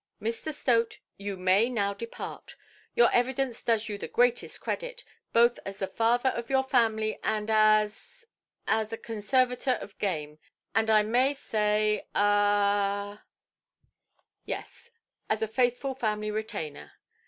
"Mr. Stote, you may now depart. Your evidence does you the greatest credit, both as the father of a family, and as—as a conservator of game, and I may say—ah, yes—as a faithful family retainer".